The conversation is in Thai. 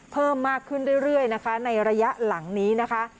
เพิ่มมากขึ้นเรื่อยนะคะในระยะหลังนี้นะคะ